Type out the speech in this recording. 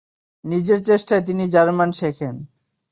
নিজের চেষ্টায় তিনি জার্মান শেখেন।